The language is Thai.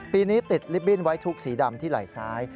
นี้ติดลิฟตบิ้นไว้ทุกสีดำที่ไหล่ซ้าย